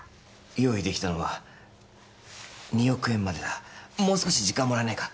用意できたのは２億円までだもう少し時間もらえないか？